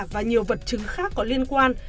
và nhiều vật chứng khác có liên quan